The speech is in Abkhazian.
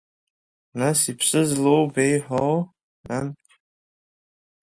Нас иԥсы злоу беиҳәоу, нан?